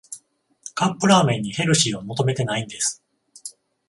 カップラーメンにヘルシーは求めてないんです